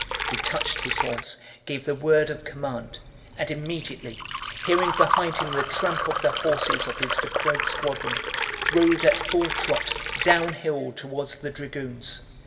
He touched his horse, gave the word of command, and immediately, hearing behind him the tramp of the horses of his deployed squadron, rode at full trot downhill toward the dragoons.